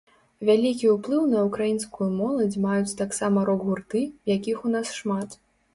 Вялікі ўплыў на ўкраінскую моладзь маюць таксама рок-гурты, якіх у нас шмат.